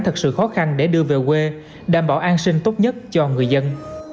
thật sự khó khăn để đưa về quê đảm bảo an sinh tốt nhất cho người dân